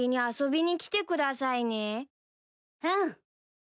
うん。